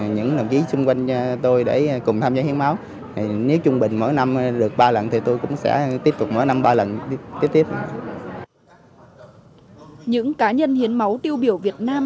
những lần hiến máu tiêu biểu việt nam